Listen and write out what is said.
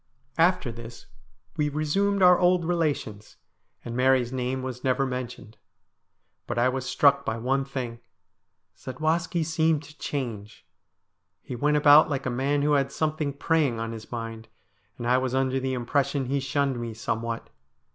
After this we resumed our old relations, and Mary's name was never mentioned. But I was struck by one thing. Zadwaski seemed to change. He went about like a man who had something preying on his mind, and I was under the impression he shunned me somewhat.